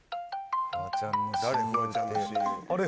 あれ？